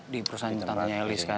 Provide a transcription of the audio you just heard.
di tempat tante nya elis kan